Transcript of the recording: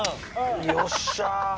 よっしゃあ！